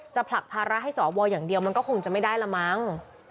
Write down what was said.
ผลักภาระให้สวอย่างเดียวมันก็คงจะไม่ได้ละมั้ง